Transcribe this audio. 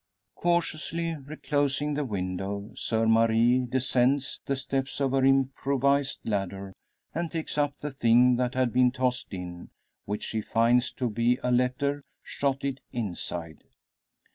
Cautiously reclosing the window, Soeur Marie descends the steps of her improvised ladder, and takes up the thing that had been tossed in; which she finds to be a letter shotted inside!